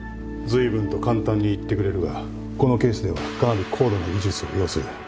随分と簡単に言ってくれるがこのケースではかなり高度な技術を要する。